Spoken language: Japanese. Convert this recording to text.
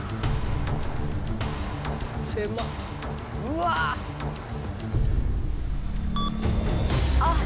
うわ！あっ。